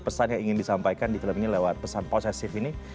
pesan yang ingin disampaikan di film ini lewat pesan posesif ini